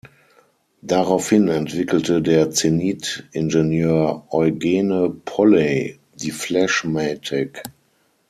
Daraufhin entwickelte der Zenith-Ingenieur Eugene Polley die Flash-Matic.